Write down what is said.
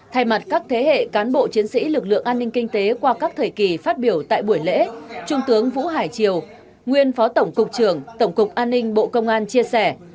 thay mặt các thế hệ cán bộ chiến sĩ lực lượng an ninh kinh tế qua các thời kỳ phát biểu tại buổi lễ trung tướng vũ hải triều nguyên phó tổng cục trưởng tổng cục an ninh bộ công an chia sẻ